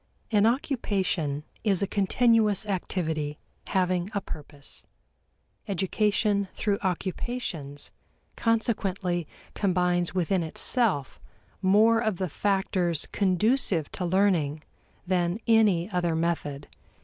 An occupation is a continuous activity having a purpose. Education through occupations consequently combines within itself more of the factors conducive to learning than any other method.